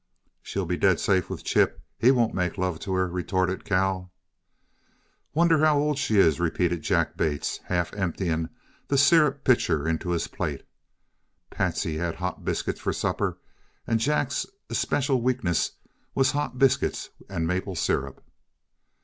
"She'll be dead safe with Chip. HE won't make love to her," retorted Cal. "Wonder how old she is," repeated Jack Bates, half emptying the syrup pitcher into his plate. Patsy had hot biscuits for supper, and Jack's especial weakness was hot biscuits and maple syrup.